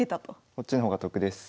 こっちの方が得です。